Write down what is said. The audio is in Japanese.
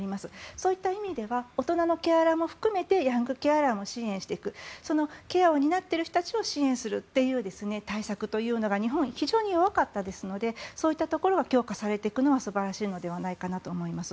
そういった意味では大人のケアラーも含めてヤングケアラーも支援していくケアを担っている人たちを支援していく体制が日本は弱かったのでそういったところは強化されていくのは素晴らしいのではないかと思います。